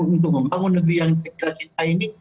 untuk membangun negeri yang kita cintai ini